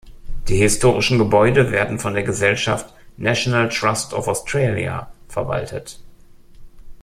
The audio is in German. Die historischen Gebäude werden von der Gesellschaft National Trust of Australia verwaltet.